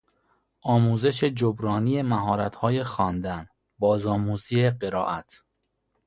آموزش جبرانی مهارتهای خواندن، بازآموزی قرائت